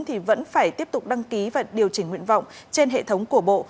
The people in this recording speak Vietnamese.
thì vẫn phải tiếp tục đăng ký và điều chỉnh nguyện vọng trên hệ thống của bộ